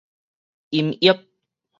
音譯